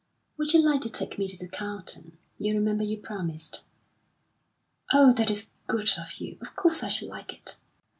"Would you like to take me to the Carlton? You remember you promised." "Oh, that is good of you! Of course I should like it!"